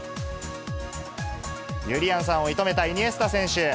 ゆりやんさんを射止めたイニエスタ選手。